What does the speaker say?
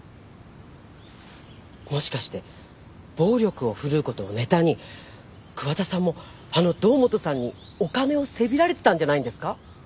もしかして暴力を振るうことをネタに桑田さんもあの堂本さんにお金をせびられてたんじゃないんですか！